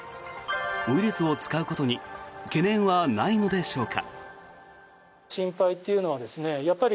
ウイルスを使うことに懸念はないのでしょうか。